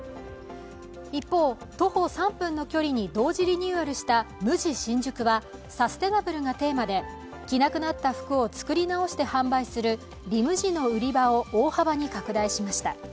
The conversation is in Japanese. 一方、徒歩３分の所に同時リニューアルしたＭＵＪＩ新宿は、サステイナブルがテーマで着なくなった服を作り直して販売するＲｅＭＵＪＩの売り場を大幅に拡大しました。